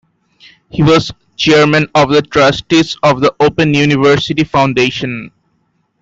He was chairman of the Trustees of the Open University Foundation.